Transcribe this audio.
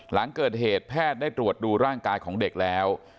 หลังเกิดเหตุแพทย์ได้ตรวจดูร่างกายของเด็กแล้ว